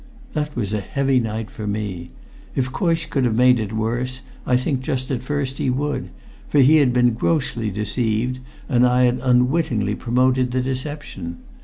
That was a heavy night for me. If Coysh could have made it something worse, I think just at first he would; for he had been grossly deceived, and I had unwittingly promoted the deception.